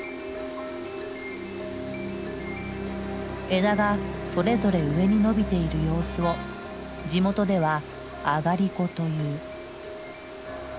枝がそれぞれ上に伸びている様子を地元では「あがりこ」という。